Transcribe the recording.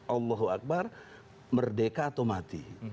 allohuakbar merdeka atau mati